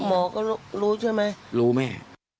หมอก็รู้ใช่ไหมรู้แม่